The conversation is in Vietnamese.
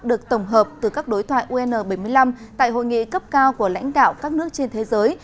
được tổng hợp từ các đối thoại un bảy mươi năm tại hội nghị cấp cao của lãnh đạo các nước trên thế giới